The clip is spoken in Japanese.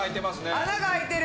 穴が開いてる。